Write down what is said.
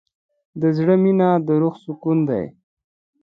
د زړه مینه د روح سکون ده.